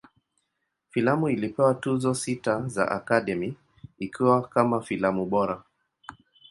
Filamu ilipewa Tuzo sita za Academy, ikiwa kama filamu bora.